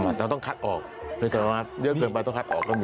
เราต้องคัดออกเรือเกินมาต้องคัดออกก็มี